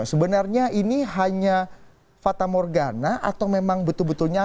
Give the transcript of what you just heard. sebenarnya ini hanya fata morgana atau memang betul betul nyata